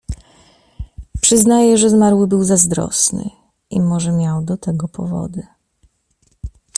"Przyznaję, że zmarły był zazdrosny i może miał do tego powody."